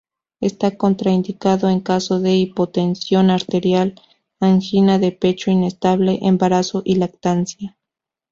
Esta contraindicado en caso de hipotensión arterial, angina de pecho inestable, embarazo y lactancia.